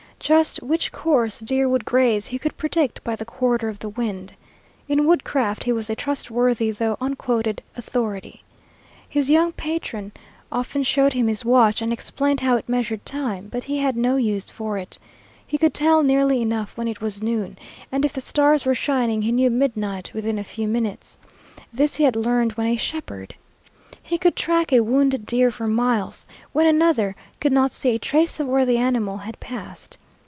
Just which course deer would graze he could predict by the quarter of the wind. In woodcraft he was a trustworthy though unquoted authority. His young patron often showed him his watch and explained how it measured time, but he had no use for it. He could tell nearly enough when it was noon, and if the stars were shining he knew midnight within a few minutes. This he had learned when a shepherd. He could track a wounded deer for miles, when another could not see a trace of where the animal had passed.